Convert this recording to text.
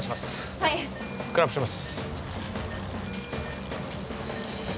はいクランプします